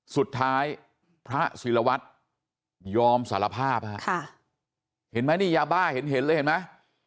สุดท้ายพระศิลวัตรยอมสารภาพฮะเห็นไหมนี่ยาบ้าเห็นเลยเห็นไหม